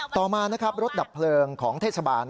ต่อมานะครับรถดับเพลิงของเทศบาล